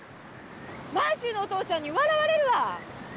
満州のお父ちゃんに笑われるわ！